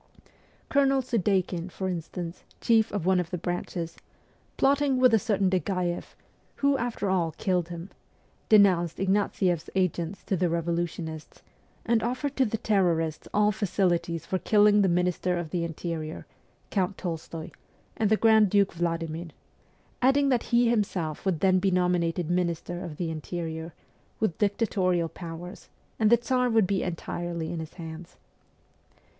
Colone Sudeikin, for instance, chief of one of the branches plotting with a certain Degaeff, who after all killed him denounced Ignatieff's agents to the revolutionists, and offered to the terrorists all facilities for killing the minister of the interior, Count Tolst6y, and the Grand Duke Vladimir ; adding that he himself would then be nominated minister of the interior, with dictatorial powers, and the Tsar would be entirely in his hands.